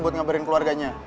buat ngabarin keluarganya